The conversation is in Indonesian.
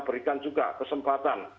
memberikan juga kesempatan